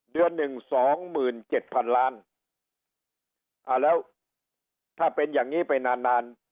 หนึ่งสองหมื่นเจ็ดพันล้านอ่าแล้วถ้าเป็นอย่างงี้ไปนานนาน